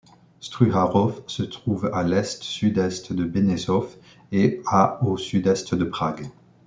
Struhařov se trouve à à l'est-sud-est de Benešov et à au sud-est de Prague.